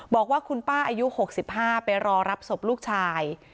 บอกว่าคุณป้าอายุ๖๕ไปรอรับศพลูกชาย